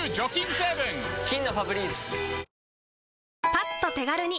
パッと手軽に！